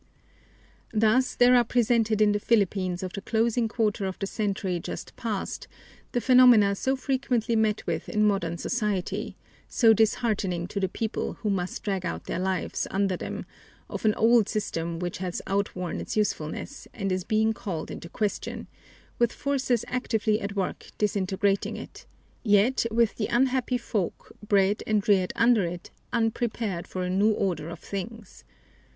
Thus there are presented in the Philippines of the closing quarter of the century just past the phenomena so frequently met with in modern societies, so disheartening to the people who must drag out their lives under them, of an old system which has outworn its usefulness and is being called into question, with forces actively at work disintegrating it, yet with the unhappy folk bred and reared under it unprepared for a new order of things.